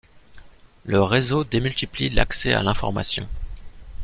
Le réseau démultiplie l'accès à l'information.